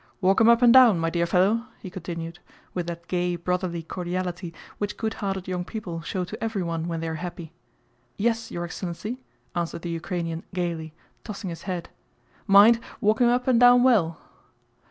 "Walk him up and down, my dear fellow," he continued, with that gay brotherly cordiality which goodhearted young people show to everyone when they are happy. "Yes, your excellency," answered the Ukrainian gaily, tossing his head. "Mind, walk him up and down well!"